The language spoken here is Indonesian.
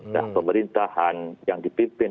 nah pemerintahan yang dipimpin